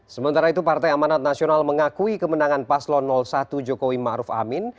sementara itu partai amanat nasional mengakui kemenangan paslo satu jokowi ma'ruf amin